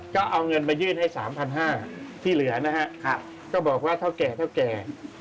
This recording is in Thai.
ก็เอาเงินมายื่นให้๓๕๐๐บาทที่เหลือนะฮะก็บอกว่าเท่าแก่เท่าแก่